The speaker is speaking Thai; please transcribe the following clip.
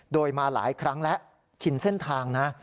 โดยมาหลายครั้งแล้วชินเส้นทางนะ